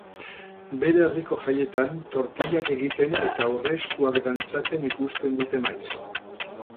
Bere herriko jaietan tortillak egiten eta aurreskuak dantzatzen ikusten dute maiz.